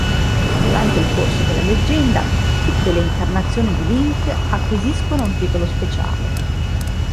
Durante il corso della leggenda, tutte le incarnazioni di Link acquisiscono un titolo speciale.